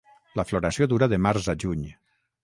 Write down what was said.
La floració dura de març a juny.